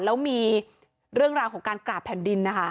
แล้วมีเรื่องราวของการกราบแผ่นดินนะคะ